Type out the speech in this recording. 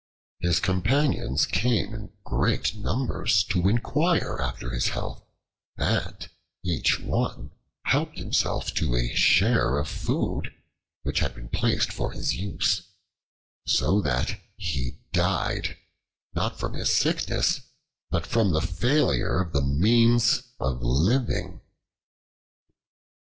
His companions came in great numbers to inquire after his health, and each one helped himself to a share of the food which had been placed for his use; so that he died, not from his sickness, but from the failure of the means of living.